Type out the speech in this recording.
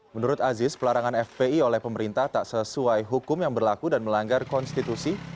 menurut aziz pelarangan fpi oleh pemerintah tak sesuai hukum yang berlaku dan melanggar konstitusi